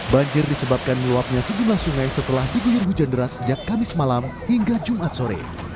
banjir disebabkan meluapnya sejumlah sungai setelah diguyur hujan deras sejak kamis malam hingga jumat sore